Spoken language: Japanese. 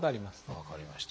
分かりました。